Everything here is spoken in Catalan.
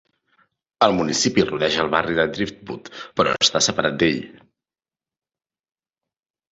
El municipi rodeja el barri de Driftwood, però està separat d'ell.